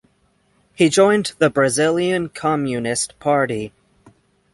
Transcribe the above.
He joined the Brazilian Communist Party.